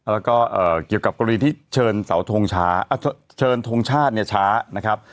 และเกี่ยวกับกรณีเชิญทรงชาติช้า